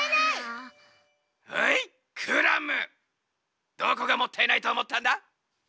はいクラムどこがもったいないとおもったんだ？